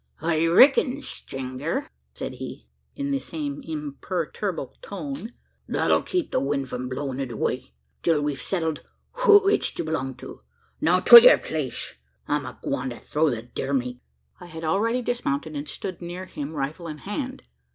"I reck'n, strenger," said he, in the same imperturbable tone, "that'll keep the wind from blowin' it away, till we've settled who it's to belong to. Now, to yur place! I'm agwine to throw the deer meat!" I had already dismounted, and stood near him rifle in hand.